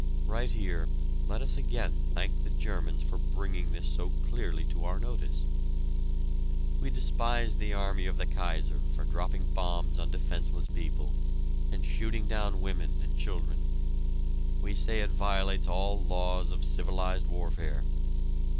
Right here let us again thank the Germans for bringing this so clearly to our notice. We despise the army of the Kaiser for dropping bombs on defenseless people, and shooting down women and children we say it violates all laws of civilized warfare.